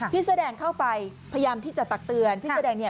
เสื้อแดงเข้าไปพยายามที่จะตักเตือนพี่เสื้อแดงเนี่ย